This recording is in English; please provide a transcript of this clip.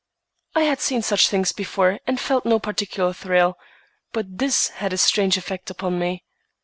I had seen such things before and felt no particular thrill, but this had a strange effect upon me.